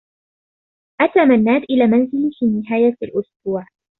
أتى منّاد إلى منزلي في نهاية الأسبوع.